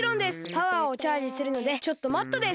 パワーをチャージするのでちょっと待っとです！